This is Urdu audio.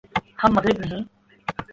ہم مغرب نہیں۔